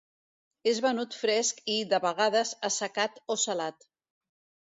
És venut fresc i, de vegades, assecat o salat.